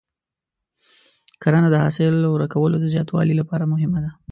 کرنه د حاصل ورکولو د زیاتوالي لپاره مهمه ده.